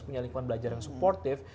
punya lingkungan belajar yang suportif